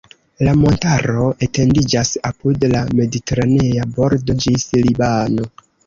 La montaro etendiĝas apud la Mediteranea bordo ĝis Libano.